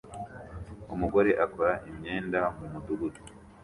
Umugore akora imyenda mu mudugudu